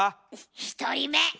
１人目。